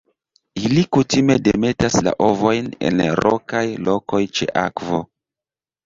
Ili kutime demetas la ovojn en rokaj lokoj ĉe akvo.